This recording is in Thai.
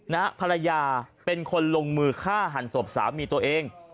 ภรรยาเป็นคนลงมือฆ่าหันศพสามีตัวเอง